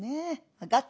分かった。